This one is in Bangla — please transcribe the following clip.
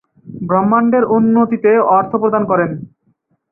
ব্রাহ্মসমাজের উন্নতিতে অর্থ প্রদান করেন।